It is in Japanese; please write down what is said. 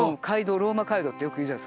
ローマ街道ってよく言うじゃないですか